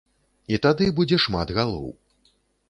І тады будзе шмат галоў.